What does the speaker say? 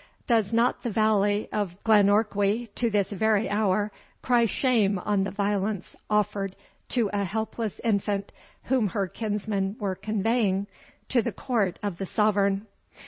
Does not the valley of Glenorquhy, to this very hour, cry shame on the violence offered to a helpless infant whom her kinsmen were conveying to the court of the Sovereign?